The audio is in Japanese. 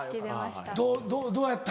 どうやった？